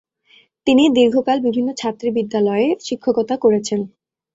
তিনি দীর্ঘকাল বিভিন্ন ছাত্রী বিদ্যালয়ে শিক্ষকতা করেছেন।